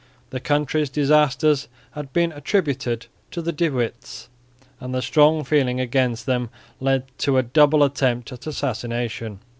The country's disasters had been attributed to the De Witts, and the strong feeling against them led to a double attempt at assassination.